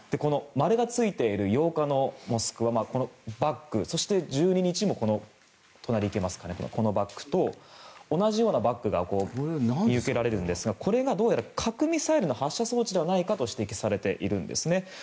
丸がついている８日の「モスクワ」そして１２日もこのバッグと同じようなバッグが見受けられるんですがこれが核ミサイルの発射装置ではないかと指摘されているんですね。